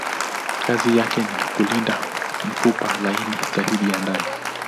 Kazi yake ni kulinda mfupa laini zaidi ya ndani.